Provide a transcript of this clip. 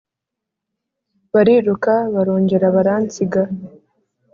bariruka barongera baransiga